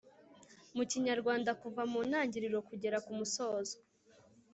mu Kinyarwanda kuva mu ntangiriro kugera ku musozo